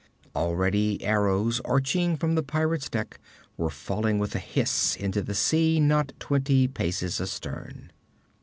Already arrows, arching from the pirate's deck, were falling with a hiss into the sea, not twenty paces astern.